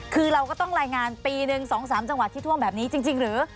คือเราก็ต้องรายงานปีหนึ่ง๒๓จังหวัดที่ท่วมแบบนี้จริงหรือ